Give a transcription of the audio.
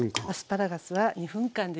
アスパラガスは２分間。